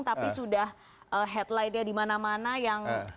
tapi sudah headlinenya dimana mana yang